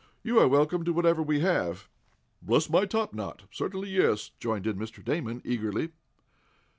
"You are welcome to whatever we have." "Bless my topknot; certainly, yes!" joined in Mr. Damon, eagerly.